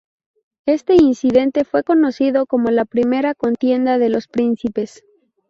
Este incidente fue conocido como la Primera Contienda de los Príncipes.